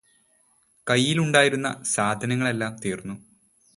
കയ്യിലുണ്ടായിരുന്ന സാധനങ്ങളെല്ലാം തീര്ന്നു